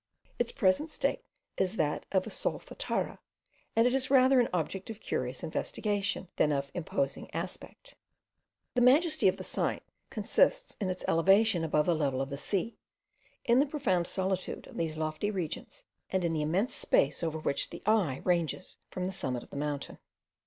Its present state is that of a solfatara; and it is rather an object of curious investigation, than of imposing aspect. The majesty of the site consists in its elevation above the level of the sea, in the profound solitude of these lofty regions, and in the immense space over which the eye ranges from the summit of the mountain.